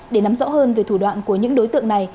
để nắm rõ hơn về thủ đoạn của những đối tượng này